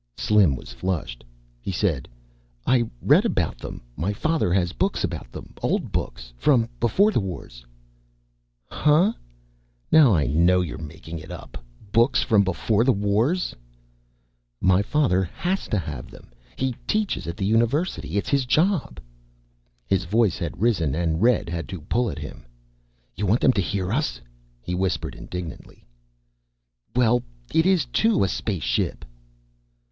Slim was flushed. He said, "I read about them. My father has books about them. Old books. From Beforethewars." "Huh. Now I know you're making it up. Books from Beforethewars!" "My father has to have them. He teaches at the University. It's his job." His voice had risen and Red had to pull at him. "You want them to hear us?" he whispered indignantly. "Well, it is, too, a space ship."